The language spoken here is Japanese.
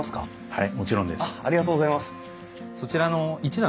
はい。